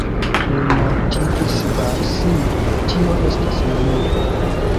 Li mortigis Vasili, tio estas nenio.